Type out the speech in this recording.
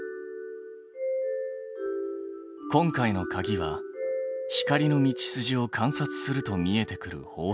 今回のかぎは光の道筋を観察すると見えてくる法則。